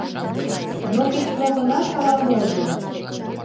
Но кеч-мо гынат ала-можо